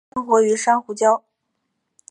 其一般生活于珊瑚礁。